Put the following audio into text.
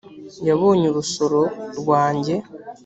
yabonye urusoro rwanjye